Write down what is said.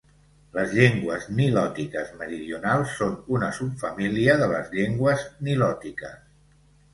Les llengües nilòtiques meridionals són una subfamília de les llengües nilòtiques.